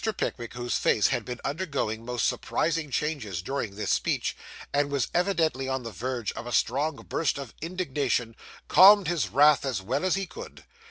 Pickwick, whose face had been undergoing most surprising changes during this speech, and was evidently on the verge of a strong burst of indignation, calmed his wrath as well as he could.